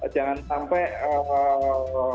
jangan sampai eee